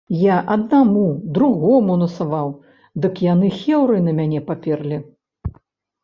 Я аднаму, другому насаваў, дык яны хеўрай на мяне паперлі.